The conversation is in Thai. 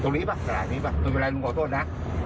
ตรงนี้ป่ะตรงนี้ป่ะไม่เป็นไรลุงขอโทษนะ